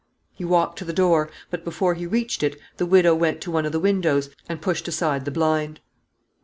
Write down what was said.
He walked to the door; but before he reached it the widow went to one of the windows, and pushed aside the blind.